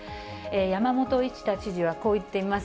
山本一太知事はこう言っています。